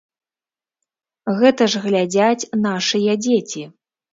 Гэта ж глядзяць нашыя дзеці.